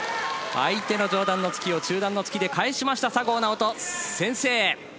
相手の上段の突きを中段の突きで返しました、先制！